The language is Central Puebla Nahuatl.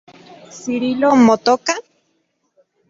¿Cirilo motoka?